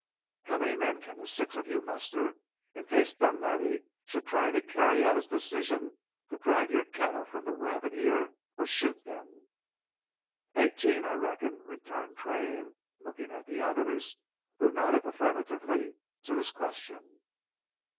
"How many men can the six of you muster in case Dunlavey should try to carry out his decision to drive your cattle from the Rabbit Ear or shoot them?" "Eighteen, I reckon," returned Train, looking at the others, who nodded affirmatively to his question.